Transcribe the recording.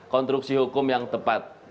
konstruksi hukum yang tepat